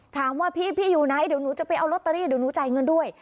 ถามว่าพี่อยู่ไหนเดี๋ยวหนูจะไปเอาลอตเตอรี่เดี๋ยวหนูจ่ายเงินด้วย